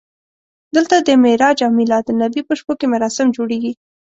دلته د معراج او میلادالنبي په شپو کې مراسم جوړېږي.